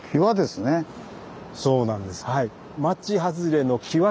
そうなんですはい。